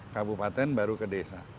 kabupaten baru ke desa